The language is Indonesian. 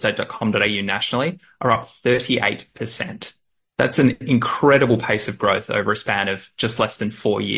selama kurang dari empat tahun